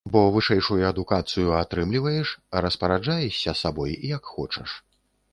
Бо вышэйшую адукацыю атрымліваеш, а распараджаешся сабой, як хочаш.